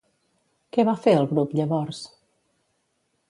Què va fer el grup llavors?